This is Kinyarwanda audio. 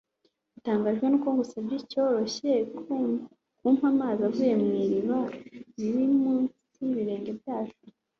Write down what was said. Utangajwe nuko ngusabye icyoroheje kumpa amazi uvomye mw’iriba riri munsi y’ibirenge byacu